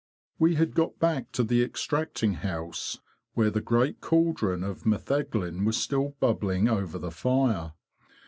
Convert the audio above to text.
We had got back to the extracting house, where the great caldron of metheglin was still bubbling over the fire.